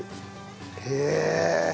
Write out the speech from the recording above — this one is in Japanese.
へえ！